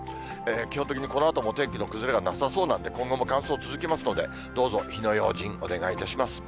基本的にこのあともお天気の崩れはなさそうなんで、今後も乾燥続きますので、どうぞ火の用心、お願いいたします。